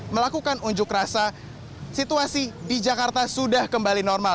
melakukan unjuk rasa situasi di jakarta sudah kembali normal